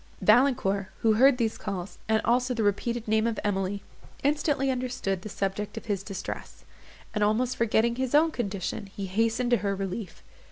Valancourt, who heard these calls, and also the repeated name of Emily, instantly understood the subject of his distress; and, almost forgetting his own condition, he hastened to her relief.